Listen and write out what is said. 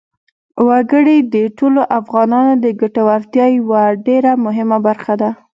وګړي د ټولو افغانانو د ګټورتیا یوه ډېره مهمه برخه ده.